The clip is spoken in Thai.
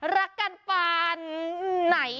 รักกันปานไหน